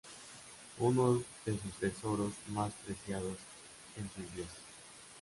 Uno de sus tesoros más preciados es su iglesia.